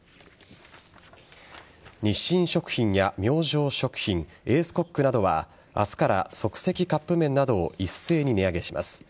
日清食品や明星食品エースコックなどは明日から即席カップ麺などを一斉に値上げします。